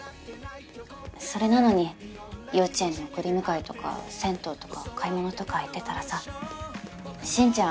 それなのに幼稚園の送り迎えとか銭湯とか買い物とか行ってたらさ進ちゃん